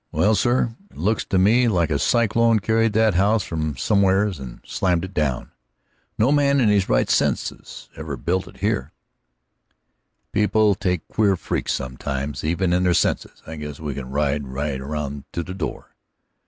"Well, sir, it looks to me like a cyclone carried that house from somewheres and slammed it down. No man in his right senses ever built it there." "People take queer freaks sometimes, even in their senses. I guess we can ride right around to the door."